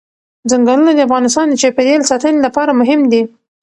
ځنګلونه د افغانستان د چاپیریال ساتنې لپاره مهم دي.